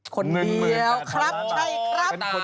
คนเดียวครับใช่ครับ